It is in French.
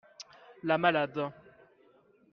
La malade